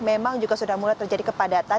memang juga sudah mulai terjadi kepadatan